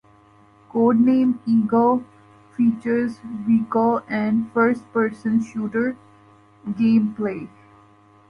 "Codename Eagle" features vehicle and first-person shooter game play.